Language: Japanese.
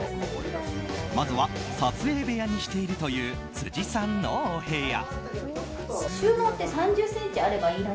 まずは撮影部屋にしているという辻さんのお部屋。